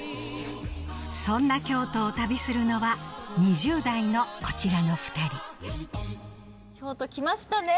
そんな京都を旅するのは２０代のこちらの２人京都来ましたね。